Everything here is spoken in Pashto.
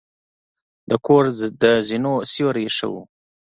د کور د زینو سیوري ښه وه.